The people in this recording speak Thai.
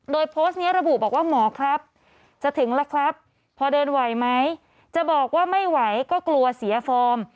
โดยโพสต์นี้ระบุบอกว่าหมอครับจะถึงแล้วครับพอเดินไหวไหมจะบอกว่าไม่ไหวก็กลัวเสียฟอร์ม